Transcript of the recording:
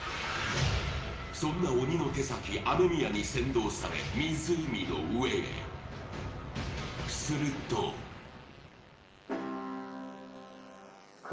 そんな鬼の手先ＡＭＥＭＩＹＡに先導され湖の上へするとえっ？